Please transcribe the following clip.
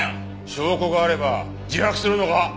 証拠があれば自白するのか？